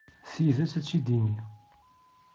Tidet, ad tt-id-tini.